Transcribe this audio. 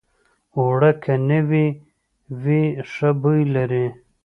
اوړه که نوي وي، ښه بوی لري